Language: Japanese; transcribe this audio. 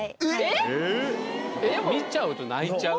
「見ちゃうと泣いちゃう」？